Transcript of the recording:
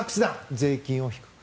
税金を低く。